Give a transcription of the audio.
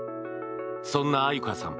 そんな愛柚香さん